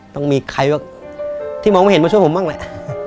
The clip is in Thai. ต้องมีใครบ้างที่มองไม่เห็นมาช่วยผมบ้างแหละ